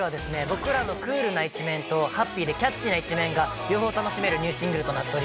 僕らのクールな一面とハッピーでキャッチーな一面が両方楽しめるニューシングルとなっております。